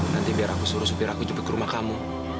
nanti biar aku suruh supir aku juga ke rumah kamu